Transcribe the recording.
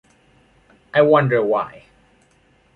I wonder why.